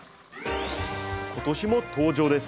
今年も登場です！